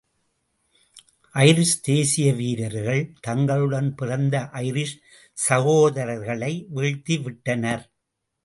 Irish தேசிய வீரர்கள் தங்களுடன் பிறந்த ஐரிஷ் சகோதரர்களை வீழ்த்திவிட்டனர்!